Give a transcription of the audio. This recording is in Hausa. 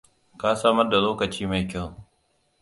Ka samar da lokaci mai kyau.